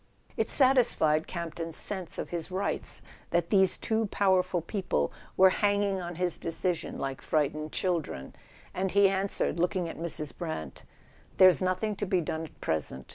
It satisfied Campton's sense of his rights that these two powerful people were hanging on his decision like frightened children, and he answered, looking at Mrs. Brant: ''There's nothing to be done at present.